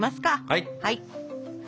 はい！